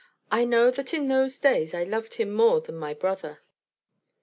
I know that in those days I loved him more than my brother.